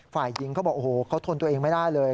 ฝ่ายหญิงเขาบอกโอ้โหเขาทนตัวเองไม่ได้เลย